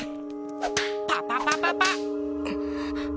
パパパパパ！